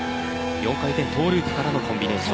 ４回転トゥループからのコンビネーション。